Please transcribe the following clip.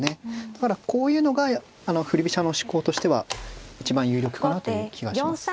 だからこういうのが振り飛車の志向としては一番有力かなという気がします。